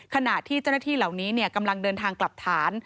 ขณะที่เจ้าหน้าที่เหล่านี้กำลังเดินทางกลับฐาน